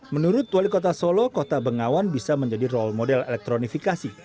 menurut wali kota solo kota bengawan bisa menjadi role model elektronifikasi